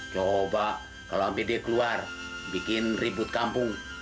coba kalau hampir deh keluar bikin ribut kampung